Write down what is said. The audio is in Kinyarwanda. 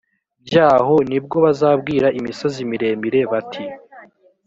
byaho ni bwo bazabwira imisozi miremire bati